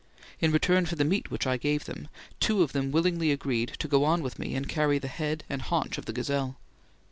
In return for the meat which I gave them, two of them willingly agreed to go on with me and carry the head and haunch of the gazelle.